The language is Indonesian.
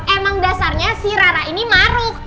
emang dasarnya si rara ini maruh ya kan